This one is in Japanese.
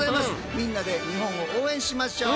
みんなで日本を応援しましょう。